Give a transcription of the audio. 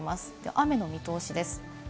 雨の見通しです。